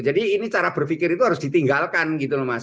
jadi ini cara berpikir itu harus ditinggalkan gitu mas